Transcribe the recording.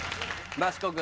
益子君。